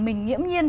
mình nhiễm nhiên